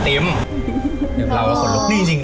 เดี๋ยวเราคนนี้จริง